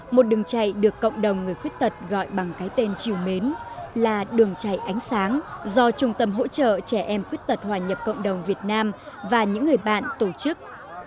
một đường chạy được cộng đồng người khuyết tật gọi bằng cái tên triều mến là đường chạy ánh sáng do trung tâm hỗ trợ trẻ em khuyết tật hòa nhập cộng đồng việt nam và những người bạn tổ chức